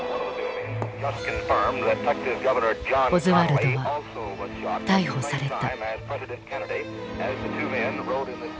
オズワルドは逮捕された。